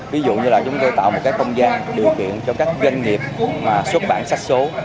ví dụ như là chúng tôi tạo một cái không gian điều kiện cho các doanh nghiệp xuất bản sách số